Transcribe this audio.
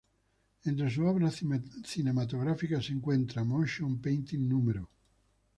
Entre sus obras cinematográficas se encuentra "Motion Painting No.